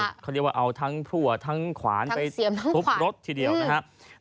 เขาเรียกว่าเอาทั้งพลั่วทั้งขวานไปทุบรถทีเดียวนะครับ